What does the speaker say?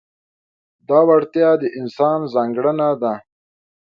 دا وړتیا د انسان ځانګړنه ده.